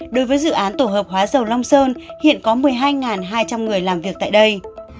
đối với dự án tổ hợp hóa dầu long sơn hiện có một mươi hai hai trăm linh người làm việc tại đây